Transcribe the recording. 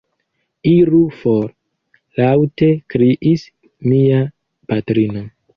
Iru for! laŭte kriis mia patrino.